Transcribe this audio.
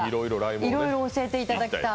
いろいろ教えていただきたい。